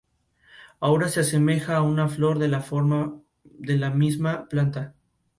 Leeds vivió en Pittsburgh dieciocho años y comenzó allí su carrera musical.